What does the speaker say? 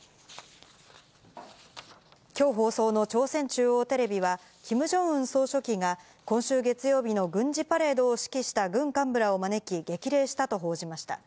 きょう放送の朝鮮中央テレビは、キム・ジョンウン総書記が、今週月曜日の軍事パレードを指揮した軍幹部らを招き、激励したと報じました。